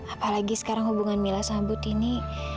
apalagi sekarang hubungan mila sama but ini